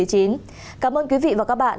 cảm ơn quý vị và các bạn